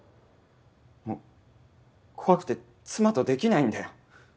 もう怖くて妻とできないんだよ。